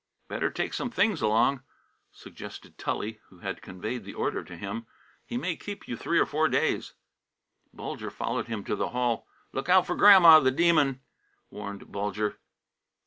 "Better take some things along," suggested Tully, who had conveyed the order to him. "He may keep you three or four days." Bulger followed him to the hall. "Look out for Grandma, the Demon!" warned Bulger.